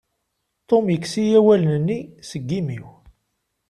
Tom yekkes-iyi awalen-nni seg imi-w.